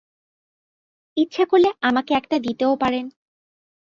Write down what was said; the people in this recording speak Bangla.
ইচ্ছা করলে আমাকে একটা দিতেও পারেন।